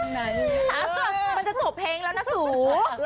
มันจะจบเพลงแล้วนะสู